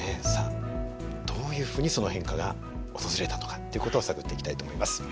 どういうふうにその変化が訪れたとかっていう事を探っていきたいと思います。